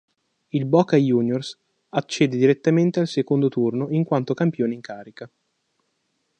Il Boca Juniors accede direttamente al secondo turno in quanto campione in carica.